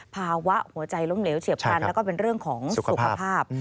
ภาวะหัวใจล้มเหลวเฉียบพลันแล้วก็เป็นเรื่องของสุขภาพ